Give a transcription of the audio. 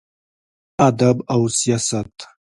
ادب او سياست: